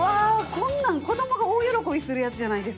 こんなん子供が大喜びするやつじゃないですか。